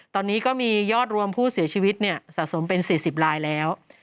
ตอนนี้ก็มียอดรวมผู้เสียชีวิตสะสมเป็น๔๐ลายแล้ว